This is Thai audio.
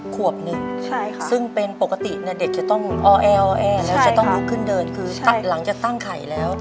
ขวบหนึ่งซึ่งเป็นปกติเนี่ยเด็กจะต้องอ้อแอแล้วจะต้องลุกขึ้นเดินคือหลังจากตั้งไข่แล้ว